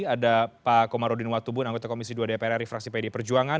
ada pak komarudin watubun anggota komisi dua dprr refraksi pdi perjuangan